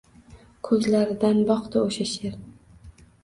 Ko’zlaridan boqdi o’sha she’r.